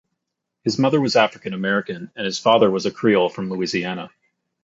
His mother was African-American and his father was a Creole from Louisiana.